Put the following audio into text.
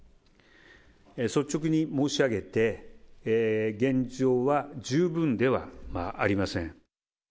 率直に申し上げて、現状は十分ではありません。